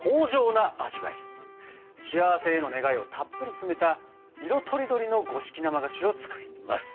幸せへの願いをたっぷり詰めた色とりどりの五色生菓子を作ります！